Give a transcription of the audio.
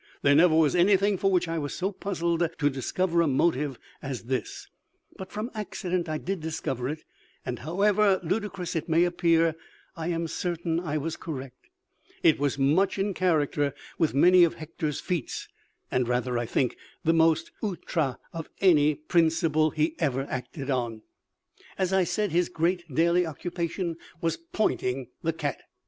There never was anything for which I was so puzzled to discover a motive as this, but from accident I did discover it; and, however ludicrous it may appear, I am certain I was correct. It was much in character with many of Hector's feats, and rather, I think, the most outré of any principle he ever acted on. As I said, his great daily occupation was pointing the cat.